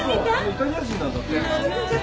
イタリア人なんだって。